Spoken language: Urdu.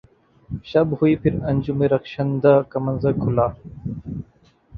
شب ہوئی پھر انجم رخشندہ کا منظر کھلا